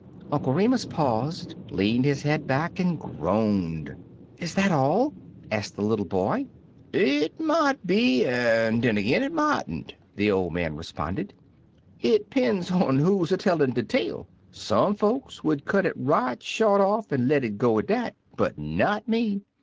Uncle Remus paused, leaned his head back, and groaned. "Is that all?" asked the little boy. " It mought be, an' den ag'in it mought n't," the old man responded. "It 'pen's on who 's a tellin' de tale. Some folks would cut it right short off an' let it go at dat, but not me.